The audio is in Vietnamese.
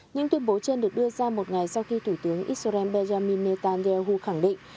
những tuyên bố trên được đưa ra một ngày sau khi thủ tướng israel benjamin netanyahu khẳng định